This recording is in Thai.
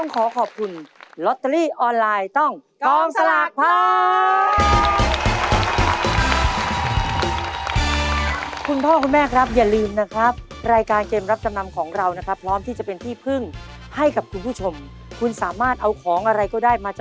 ขอบคุณมากนะคะที่เกียรติกับทางรายการ